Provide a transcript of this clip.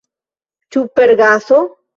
Ĉu per gaso?